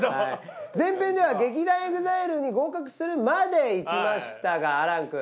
前編では劇団ＥＸＩＬＥに合格するまでいきましたが亜嵐くん。